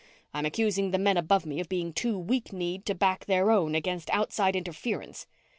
I'm accusing the men above me of being too weak kneed to back their own against outside interference."